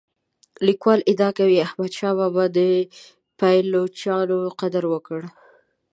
لیکوال ادعا کوي احمد شاه بابا د پایلوچانو قدر وکړ.